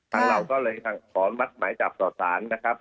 ทั้งเราก็เลยขออนุมัติหมายจับต่อศาลนะครับ